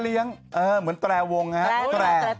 พี่หนุ่มก็รู้จัก